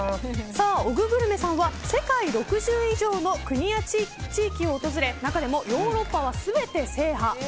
おぐグルメさんは世界６０以上の国や地域を訪れ中でもヨーロッパは全て制覇。